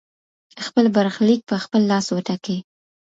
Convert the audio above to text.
خپل برخليک په خپل لاس وټاکئ.